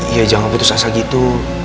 ya jangan putus asa gitu